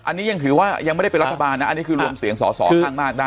อันนี้ยังถือว่ายังไม่ได้เป็นรัฐบาลนะอันนี้คือรวมเสียงสอสอข้างมากได้